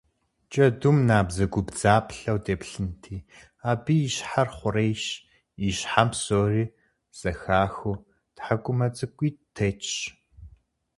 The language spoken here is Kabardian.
Джэдум набдзэгубдзаплъэу деплъынти, абы и щхьэр хъурейщ, и щхьэм псори зэхахыу тхьэкӏумэ цӏыкӏуитӏ тетщ.